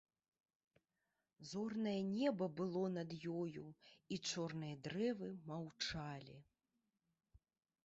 Зорнае неба было над ёю, і чорныя дрэвы маўчалі.